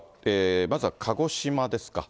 まずは鹿児島ですか。